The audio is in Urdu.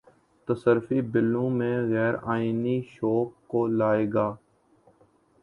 تصرفی بِلوں میں غیرآئینی شقوں کو لائے گا